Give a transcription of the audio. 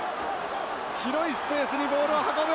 広いスペースにボールを運ぶ！